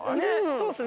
そうですね